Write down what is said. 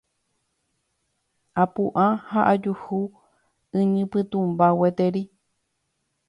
Apu'ã ha ajuhu iñipytũmba gueteri.